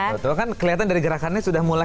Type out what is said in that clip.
betul kan kelihatan dari gerakannya sudah mulai